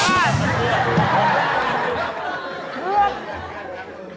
เงื่อน